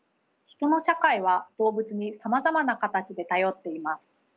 人の社会は動物にさまざまな形で頼っています。